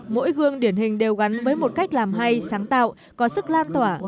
mỗi gương điển hình đều gắn với một cách làm hay sáng tạo có sức lan tỏa